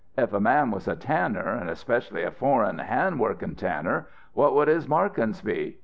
If a man was a tanner, and especially a foreign, hand workin' tanner, what would his markin's be?